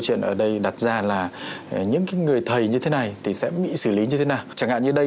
chuyện ở đây đặt ra là những người thầy như thế này thì sẽ bị xử lý như thế nào chẳng hạn như đây